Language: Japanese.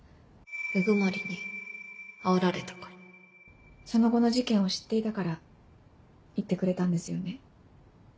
鵜久森にあおられたからその後の事件を知っていたから言ってくれたんですよね。